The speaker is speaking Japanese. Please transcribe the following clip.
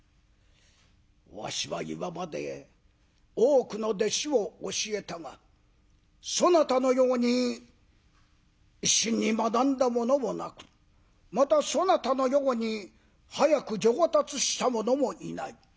「わしは今まで多くの弟子を教えたがそなたのように一心に学んだ者もなくまたそなたのように早く上達した者もいない。